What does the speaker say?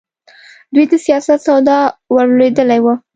دوی د سیاست سودا ورلوېدلې وه.